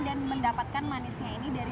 dan mendapatkan manisnya ini dari buah nangka